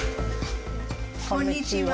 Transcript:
こんにちは。